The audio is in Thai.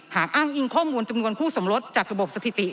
อ้างอิงข้อมูลจำนวนคู่สมรสจากระบบสถิติ